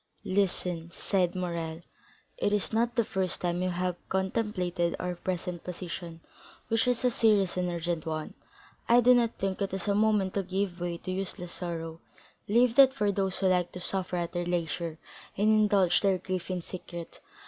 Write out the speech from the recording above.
"Listen," said Morrel; "it is not the first time you have contemplated our present position, which is a serious and urgent one; I do not think it is a moment to give way to useless sorrow; leave that for those who like to suffer at their leisure and indulge their grief in secret.